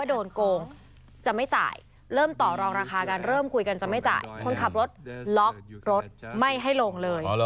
ราคาการเริ่มคุยกันจะไม่จ่ายคนขับรถล็อครถไม่ให้ลงเลย